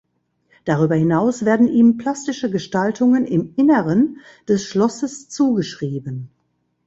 Darüber hinaus werden ihm plastische Gestaltungen im Inneren des Schlosses zugeschrieben.